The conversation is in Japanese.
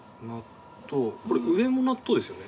これ上も納豆ですよね？